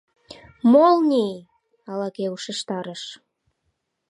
— Молний! — ала-кӧ ушештарыш.